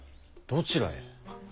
どちらへ。